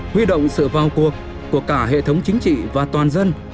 huy động sự vào cuộc của cả hệ thống chính trị và toàn dân